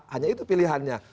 hanya itu pilihannya